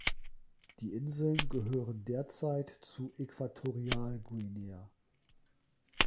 Die Inseln gehören derzeit zu Äquatorialguinea.